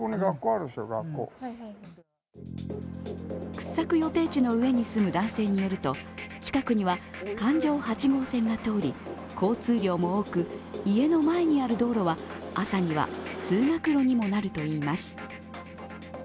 掘削予定地の上に住む男性によると、近くには環状８号線が通り交通量も多く家の前にある道路は朝には通学路にもなるといいます。